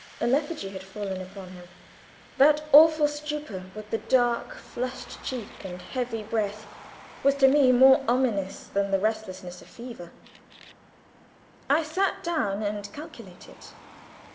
A lethargy had fallen upon him. That awful stupor, with the dark, flushed cheek and heavy breath, was to me more ominous than the restlessness of fever. I sat down and calculated.